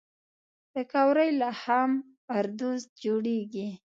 پکورې له خام آردو جوړېږي